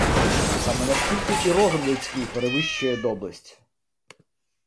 Саме настільки і розум людський перевищує доблесть.